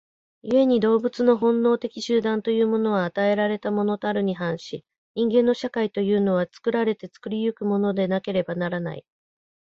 故に動物の本能的集団というものは与えられたものたるに反し、人間の社会というのは作られて作り行くものでなければならない。